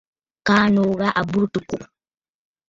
Kaa nòò ghà à burə tɨ̀ kùꞌù.